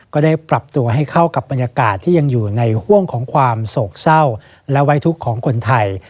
ก็ได้ปรับตัวให้เข้ากับบรรยากาศที่ยังอยู่ในห่วงของความโศกเศร้าและไว้ทุกข์ของคนไทย